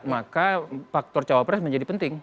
maka faktor cawapres menjadi penting